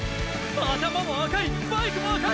頭も赤いバイクも赤い！！